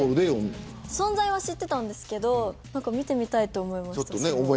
存在は知ってたんですけど見てみたいと思いました。